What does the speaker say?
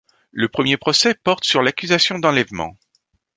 Le premier procès porte sur l'accusation d'enlèvement.